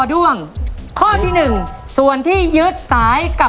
แล้ววันนี้ผมมีสิ่งหนึ่งนะครับเป็นตัวแทนกำลังใจจากผมเล็กน้อยครับ